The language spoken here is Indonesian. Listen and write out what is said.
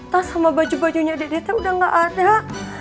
tas sama baju bajunya dedete udah gak ada